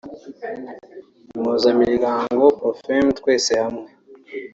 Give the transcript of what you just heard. Impuzamiryango Profemme Twese Hamwe